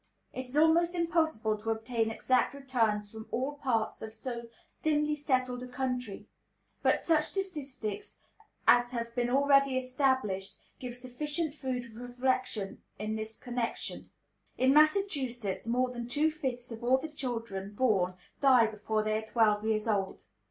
It is almost impossible to obtain exact returns from all parts of so thinly settled a country. But such statistics as have been already established give sufficient food for reflection in this connection. In Massachusetts more than two fifths of all the children born die before they are twelve years old.